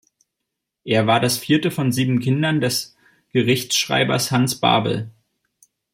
Er war das vierte von sieben Kindern des Gerichtsschreibers Hans Babel.